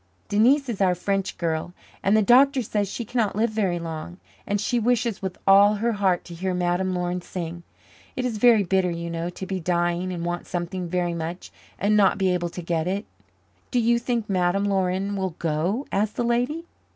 Denise is our French girl, and the doctor says she cannot live very long, and she wishes with all her heart to hear Madame Laurin sing. It is very bitter, you know, to be dying and want something very much and not be able to get it." "Do you think Madame Laurin will go?" asked the lady.